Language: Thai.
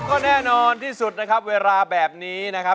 ก็แน่นอนที่สุดนะครับเวลาแบบนี้นะครับ